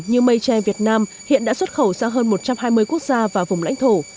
như mây tre việt nam hiện đã xuất khẩu sang hơn một trăm hai mươi quốc gia và vùng lãnh thổ